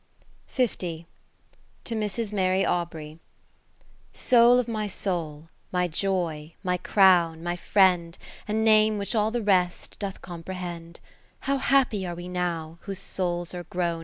To Mrs. Mary Awbrey Soul of my soul, my Joy, my Crown, my Friend, A name which all the rest doth comprehend ; How happy are we now, whose souls are grown.